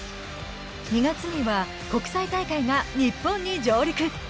２月には国際大会が日本に上陸。